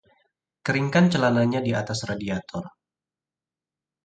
Keringkan celananya di atas radiator.